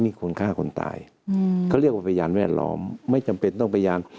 นี่คนฆ่าคนตายอืมเขาเรียกว่าพยานแวดล้อมไม่จำเป็นต้องพยาน